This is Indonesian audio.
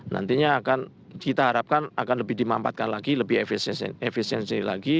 nantinya akan kita harapkan akan lebih dimampatkan lagi lebih efisiensi lagi